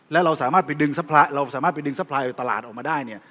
และเราสามารถไปดึงซัพพลายตลาดออกมาได้เนี่ย